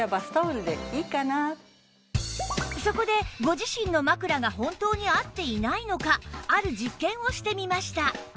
そこでご自身の枕が本当に合っていないのかある実験をしてみました